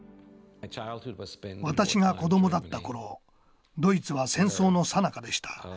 私が子どもだったころドイツは戦争のさなかでした。